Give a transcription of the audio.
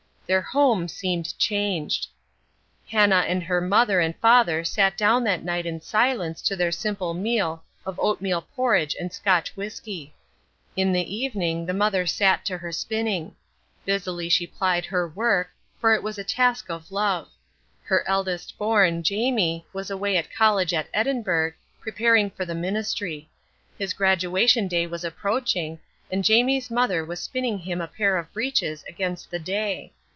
Their home seemed changed. Hannah and her mother and father sat down that night in silence to their simple meal of oatmeal porridge and Scotch whisky. In the evening the mother sat to her spinning. Busily she plied her work, for it was a task of love. Her eldest born, Jamie, was away at college at Edinburgh, preparing for the ministry. His graduation day was approaching, and Jamie's mother was spinning him a pair of breeches against the day.